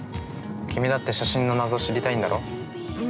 君だって、写真のなぞ知りたいんだろ？